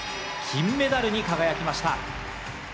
金メダルに輝きました。